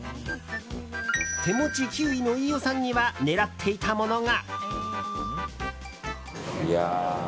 手持ちキウイの飯尾さんには狙っていたものが。